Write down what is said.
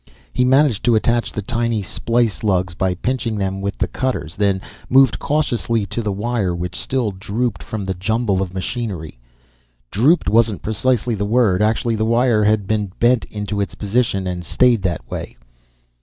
He managed to attach the tiny splice lugs by pinching them with the cutters, then moved cautiously to the wire which still drooped from the jumble of machinery. "Drooped" wasn't precisely the word; actually the wire had been bent into its position and stayed that way.